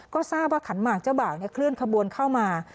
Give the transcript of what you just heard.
ก็ทราบว่าขันหมากเจ้าบ่าวเคลื่อนขบวนเข้ามา